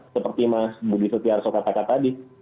seperti mas budi setiarso katakan tadi